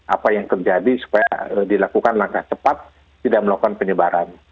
apa yang terjadi supaya dilakukan langkah cepat tidak melakukan penyebaran